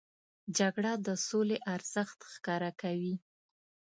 جګړه د سولې ارزښت ښکاره کوي